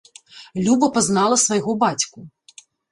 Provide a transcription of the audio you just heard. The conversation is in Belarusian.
Люба пазнала свайго бацьку.